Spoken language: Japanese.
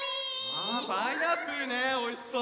あパイナップルねおいしそう！